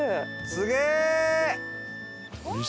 すげえ！